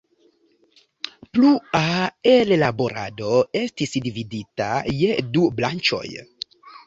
Plua ellaborado estis dividita je du branĉoj.